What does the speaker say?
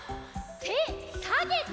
てさげて！